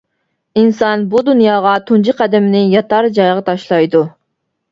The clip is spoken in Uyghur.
ئىنسان بۇ دۇنياغا تۇنجى قەدىمىنى ياتار جايىغا تاشلايدۇ.